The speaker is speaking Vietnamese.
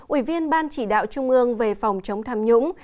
ủy viên ban chỉ đạo trung ương về phòng chống tham nhũng